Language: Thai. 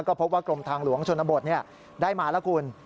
ก็พบว่ากรมทางหลวงชนบทได้มาแล้วคุณ